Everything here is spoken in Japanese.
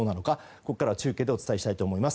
ここからは中継でお伝えしたいと思います。